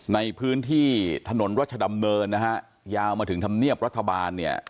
ในพื้นที่ถนนรัชดำเนินนะฮะยาวมาถึงธรรมเนียบรัฐบาลเนี่ย